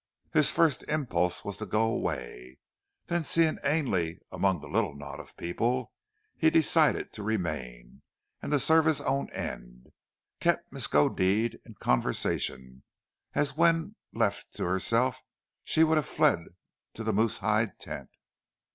His first impulse was to go away, then seeing Ainley among the little knot of people, he decided to remain, and to serve his own end, kept Miskodeed in conversation, as when left to herself she would have fled to the moose hide tent.